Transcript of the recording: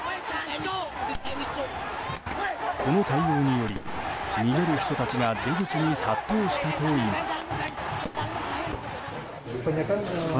この対応により、逃げる人たちが出口に殺到したといいます。